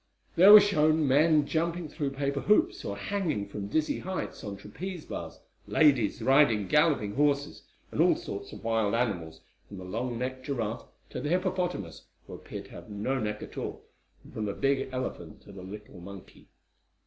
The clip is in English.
There were shown men jumping through paper hoops or hanging from dizzy heights on trapeze bars, ladies riding galloping horses, and all sorts of wild animals, from the long necked giraffe to the hippopotamus, who appeared to have no neck at all, and from the big elephant to the little monkey.